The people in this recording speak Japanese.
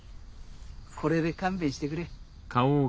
これで勘弁してくれ。